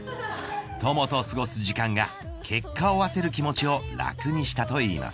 友と過ごす時間が結果を焦る気持ちを楽にしたといいます。